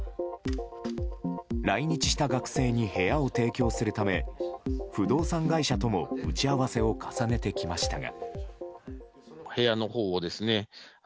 来日した学生に部屋を提供するため不動産会社とも打ち合わせを重ねてきましたが。